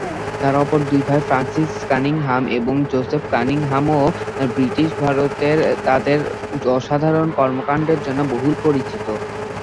তার অপর দুই ভাই, ফ্রান্সিস কানিংহাম এবং জোসেপ কানিংহাম-ও ব্রিটিশ ভারতে তাদের অসাধারণ কর্মকান্ডের জন্য বহুল পরিচিত।